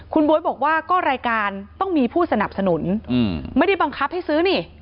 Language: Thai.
คุณบ๊วยบอกว่าก็รายการต้องมีผู้สนับสนุนไม่ได้บังคับให้ซื้อนี่